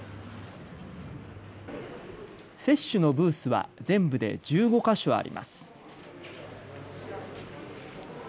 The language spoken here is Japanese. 接種のブースは全部で１５か所あります。